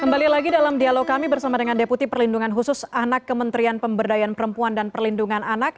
kembali lagi dalam dialog kami bersama dengan deputi perlindungan khusus anak kementerian pemberdayaan perempuan dan perlindungan anak